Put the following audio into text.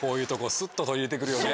スッと取り入れて来るよね。